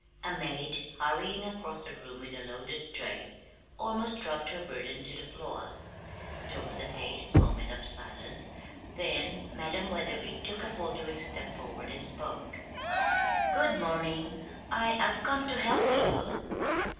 A maid, hurrying across the room with a loaded tray, almost dropped her burden to the floor. There was a dazed moment of silence, then Madam Wetherby took a faltering step forward and spoke. "Good morning! I I've come to help you."